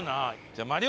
じゃあ。